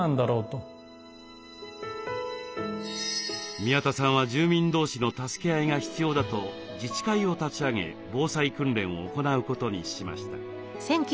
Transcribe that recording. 宮田さんは住民同士の助け合いが必要だと自治会を立ち上げ防災訓練を行うことにしました。